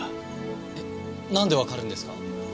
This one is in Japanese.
えっなんでわかるんですか？